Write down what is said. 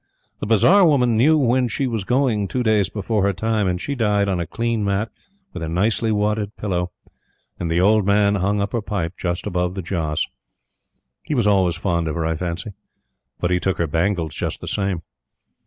The bazar woman knew when she was going two days before her time; and SHE died on a clean mat with a nicely wadded pillow, and the old man hung up her pipe just above the Joss. He was always fond of her, I fancy. But he took her bangles just the same.